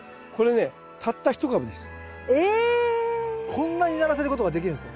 こんなにならせることができるんすか？